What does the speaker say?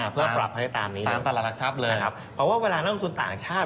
เพื่อปรับให้ตามนี้เลยนะครับเพราะว่าเวลานักลงทุนต่างชาติ